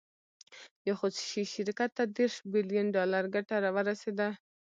یو خصوصي شرکت ته دېرش بیلین ډالر ګټه ورسېده.